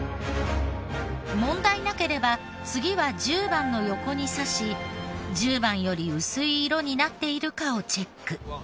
問題なければ次は１０番の横にさし１０番より淡い色になっているかをチェック。